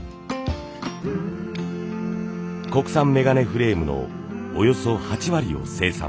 国産メガネフレームのおよそ８割を生産。